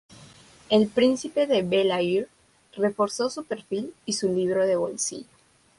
El Príncipe de Bel-Air reforzó su perfil y su libro de bolsillo.